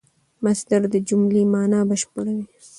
مصدر د جملې مانا بشپړوي.